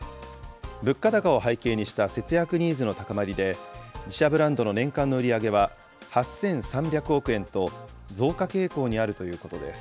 物価高を背景にした節約ニーズの高まりで、自社ブランドの年間の売り上げは８３００億円と、増加傾向にあるということです。